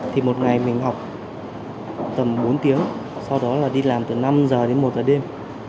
thì một ngày mình học tầm bốn tiếng sau đó là đi làm từ năm giờ đến một giờ đêm